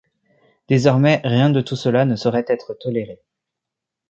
Désormais, rien de tout cela ne saurait être toléré.